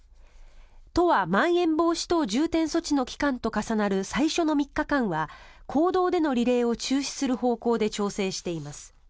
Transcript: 都はまん延防止等重点措置の期間と重なる最初の３日間は公道でのリレーを中止する方向で調整しています。